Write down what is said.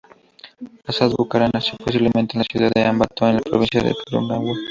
Assad Bucaram nació posiblemente en la ciudad de Ambato, en la provincia de Tungurahua.